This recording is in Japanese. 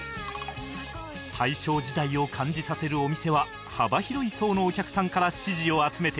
大正時代を感じさせるお店は幅広い層のお客さんから支持を集めています